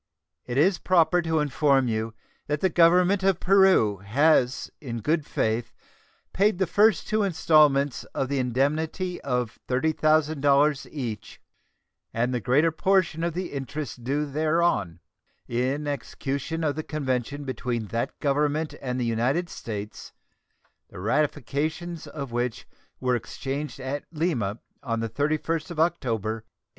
It is proper to inform you that the Government of Peru has in good faith paid the first two installments of the indemnity of $30,000 each, and the greater portion of the interest due thereon, in execution of the convention between that Government and the United States the ratifications of which were exchanged at Lima on the 31st of October, 1846.